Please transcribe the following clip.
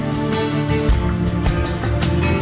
ก็ได้ยินว่าก็ได้